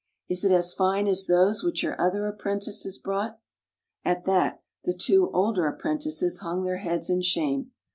Is it as fine as those which your other apprentices brought?" At that the two older apprentices hung their heads in shame.